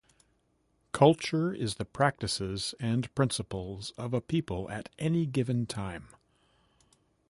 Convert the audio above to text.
Culture is the practices and principles of a people at any given time.